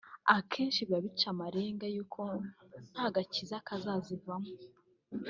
akenshi biba bica amarenga yuko nta gakiza kazazivamo